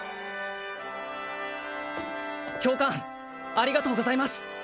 教官ありがとうございます